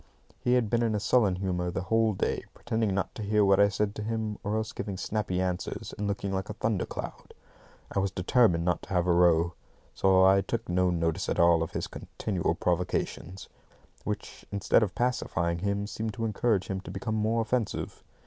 He had been in a sullen humour the whole day, pretending not to hear what I said to him, or else giving snappy answers, and looking like a thunder cloud. I was determined not to have a row, so I took no notice at all of his continual provocations, which, instead of pacifying him, seemed to encourage him to become more offensive.